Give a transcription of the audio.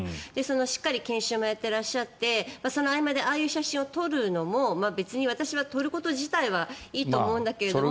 しっかり研修もやっていらっしゃってその合間でああいう写真を撮るのも別に私は撮ること自体はいいと思うんだけど。